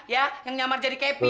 ya yang nyamar jadi capi